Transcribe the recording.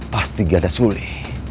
pasti ganda suli